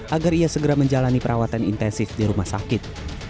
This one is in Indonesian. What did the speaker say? agar ia segera menjalani perawatan intensif di rumah sakit